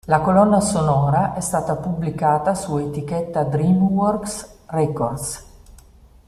La colonna sonora è stata pubblicata su etichetta DreamWorks Records.